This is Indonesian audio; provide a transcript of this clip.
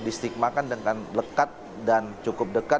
distigmakan dengan lekat dan cukup dekat